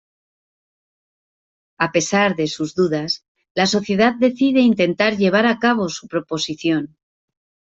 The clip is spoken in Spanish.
A pesar de sus dudas, la sociedad decide intentar llevar a cabo su proposición.